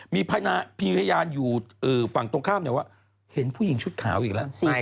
มีพยานอยู่ฝั่งตรงข้ามว่าเห็นผู้หญิงชุดขาวอีกแล้ว